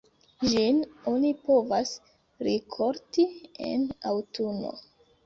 Ĝin oni povas rikolti en aŭtuno.